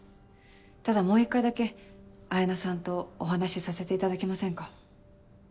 ただもう一回だけ彩菜さんとお話しさせていただけませんか。